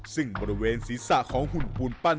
ซึ่งบริเวณศีรษะของหุ่นคูณปั้น